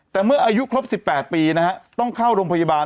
แต่เมื่ออายุครบ๑๘ปีนะฮะต้องเข้าโรงพยาบาล